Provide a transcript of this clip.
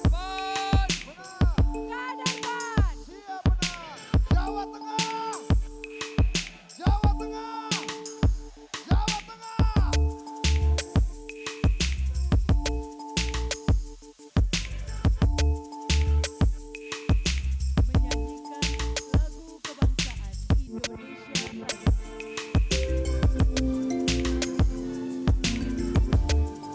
jawa tengah jawa tengah jawa tengah